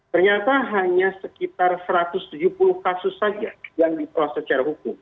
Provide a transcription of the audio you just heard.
ternyata hanya sekitar satu ratus tujuh puluh kasus saja yang diperlaksana secara hukum